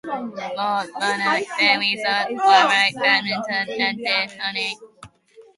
Fodd bynnag, dewisodd chwarae badminton yn lle hynny.